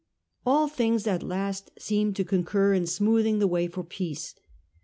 All things at last seemed to concur in smoothing the way for peace.